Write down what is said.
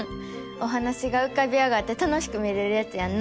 お話がうかび上がって楽しく見れるやつやんな。